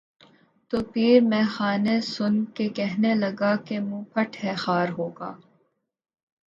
تو پیر مے خانہ سن کے کہنے لگا کہ منہ پھٹ ہے خار ہوگا